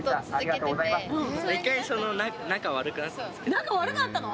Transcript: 仲悪かったの？